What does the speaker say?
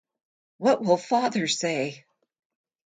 What will father say?